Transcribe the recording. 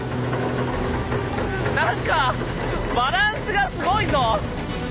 なんかバランスがすごいぞ！